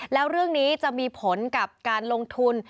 แล้วเรื่องนี้จะมีผลกับการลงทุน